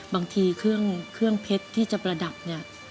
บางทีเครื่องเพชรที่จะประดับเนี่ย